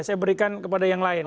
saya berikan kepada yang lain